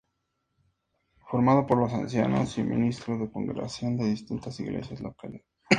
Formado por los Ancianos y ministros de congregación de distintas iglesias locales.